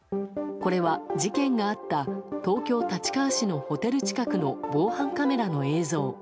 これは事件があった東京・立川市のホテル近くの防犯カメラの映像。